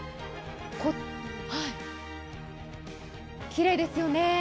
きれいですよね。